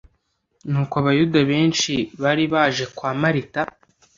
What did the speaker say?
Nuko abayuda benshi bari baje kwa marita